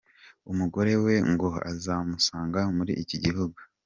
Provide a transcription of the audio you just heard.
Umugore we ngo azamusanga muri iki gihugu.